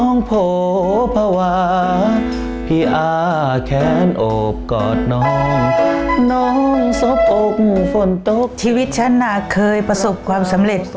นักร้องที่เคยประสบความสำเร็จ